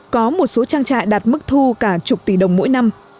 có một số trang trại đạt mức thu cả chục tỷ đồng mỗi năm